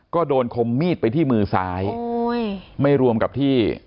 ก็โดนคมมีดไปที่มือซ้ายโอ้ยไม่รวมกับที่